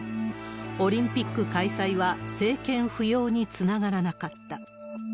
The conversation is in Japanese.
オリンピック開催は政権浮揚につながらなかった。